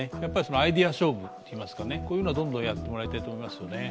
アイデア勝負といいますか、こういうのはどんどんやってもらいたいと思いますよね。